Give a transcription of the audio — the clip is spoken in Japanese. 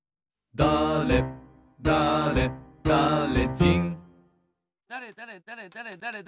だれだだれだれ！